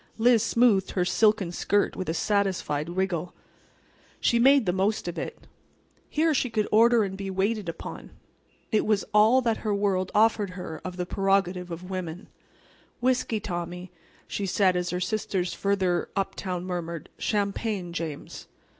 Liz smoothed her silken skirt with a satisfied wriggle. She made the most of it. Here she could order and be waited upon. It was all that her world offered her of the prerogative of woman. "Whiskey, Tommy," she said as her sisters further uptown murmur, "Champagne, James."